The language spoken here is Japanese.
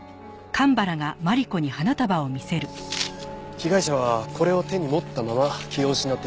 被害者はこれを手に持ったまま気を失っていたそうです。